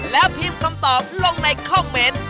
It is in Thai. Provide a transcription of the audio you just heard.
แล้วพิมพ์คำตอบลงในคอมเมนต์